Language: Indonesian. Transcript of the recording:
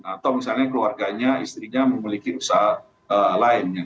atau misalnya keluarganya istrinya memiliki usaha lain